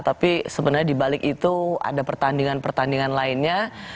tapi sebenarnya dibalik itu ada pertandingan pertandingan lainnya